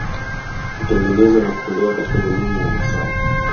Hutengenezwa na kutolewa katika jamii ya Wamasai